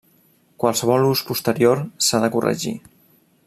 Qualsevol ús posterior s'ha de corregir.